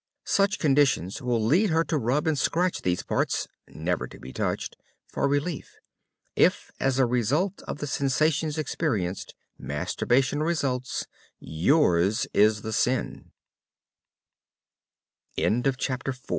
Such conditions will lead her to rub and scratch these parts never to be touched for relief. If, as a result of the sensations experienced, masturbation results, yours is the sin. CHAPTER V SEX